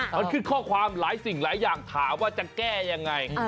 มันขึ้นข้อความหลายสิ่งหลายอย่างถามว่าจะแก้ยังไง